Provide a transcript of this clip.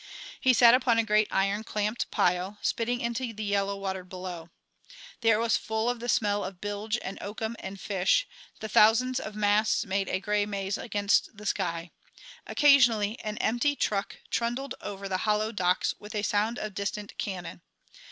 He sat upon a great iron clamped pile, spitting into the yellow water below. The air was full of the smell of bilge and oakum and fish; the thousands of masts made a gray maze against the sky; occasionally an empty truck trundled over the hollow docks with a sound of distant cannon.